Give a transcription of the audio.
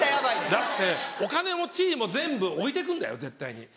だってお金も地位も全部置いてくんだよ絶対に。